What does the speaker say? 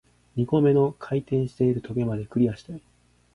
二個目の回転している棘まで、クリアしたよ